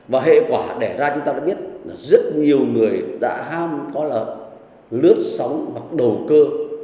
và hệ quả đẻ ra chúng ta đã biết là rất nhiều người đã ham có là lướt sóng hoặc đầu cơ